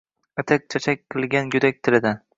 Atak-chechak qilgan go’dak tilidan